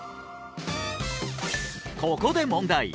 ここで問題！